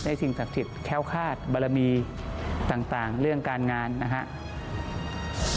สิ่งศักดิ์สิทธิ์แค้วคาดบารมีต่างเรื่องการงานนะครับ